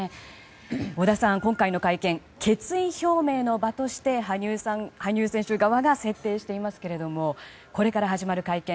織田さん、今回の会見決意表明の場として羽生選手側が設定していますがこれから始まる会見